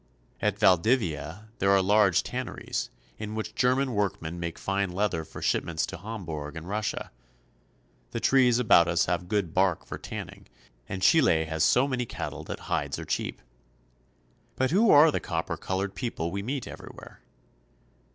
At Valdivia there are large tanneries, in which German workmen make fine leather for shipment to Hamburg and Russia. The trees about us have good bark for tanning, and Chile has so many cattle that hides are cheap. But who are the copper colored people we meet every where